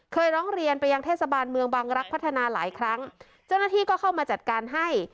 ร้องเรียนไปยังเทศบาลเมืองบังรักษ์พัฒนาหลายครั้งเจ้าหน้าที่ก็เข้ามาจัดการให้